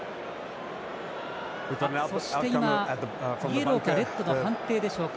そしてイエローかレッドの判定でしょうか。